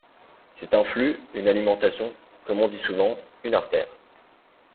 C’est un flux, une alimentation, comme on dit souvent, une artère.